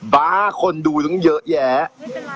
ป้าคนดูตั้งเยอะแยะ